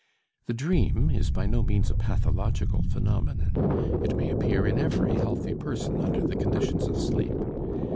The dream is by no means a pathological phenomenon; it may appear in every healthy person under the conditions of sleep.